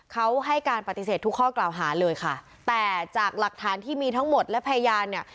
เขาให้การปฏิเสธทุกข้อกล่าวหาเลยค่ะแต่จากหลักฐานที่มีทั้งหมดและพยานเนี่ย